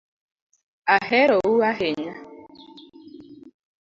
Ahero u ahinya